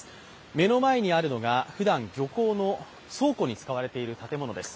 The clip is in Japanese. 目の前にあるのがふだん漁港の倉庫に使われている建物です。